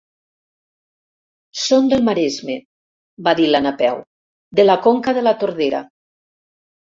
Són del Maresme —va dir la Napeu—, de la conca de la Tordera.